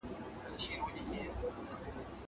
د ټاکلي مهالويش مطابق کار وکړئ.